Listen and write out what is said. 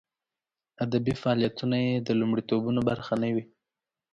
ادبي فعالیتونه یې د لومړیتوبونو برخه نه وي.